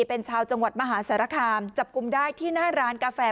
เป็นชาวจังหวัดมหาสารคามจับกลุ่มได้ที่หน้าร้านกาแฟ